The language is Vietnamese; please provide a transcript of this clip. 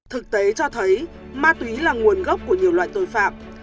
thực tế cho thấy ma túy là nguồn gốc của nhiều loại tội phạm